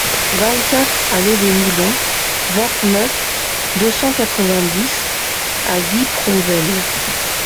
vingt-quatre allée des Moulins, vingt-neuf, deux cent quatre-vingt-dix à Guipronvel